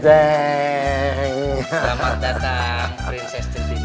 selamat datang prinses sentini